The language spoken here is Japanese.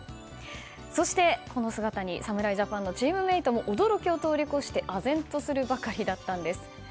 そして、この姿に侍ジャパンのチームメートも驚きを通り越してあぜんとするばかりだったんです。